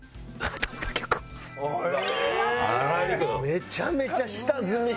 めちゃめちゃ下積み！